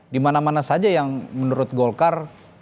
di mana mana saja yang menurut golkar